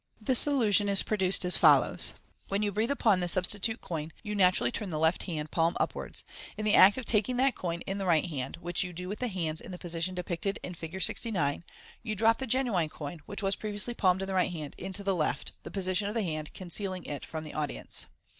This illusion is produced as follows :— When you breathe upon the substitute coin, you naturally turn the left hand palm upwards. In the act of taking that coin in the right hand, which you do with the hands in the position depicted in Fig. 69, you drop the genuine coin, which was previously palmed in the right hand, into the left, the position of the hand concealing it from the audience.